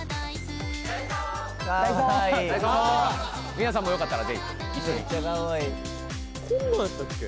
皆さんもよかったらぜひ一緒にめっちゃかわいい・こんなんやったっけ？